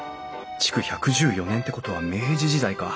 築１１４年ってことは明治時代か。